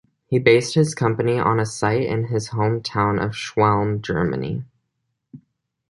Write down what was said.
He based his company on a site in his home town of Schwelm, Germany.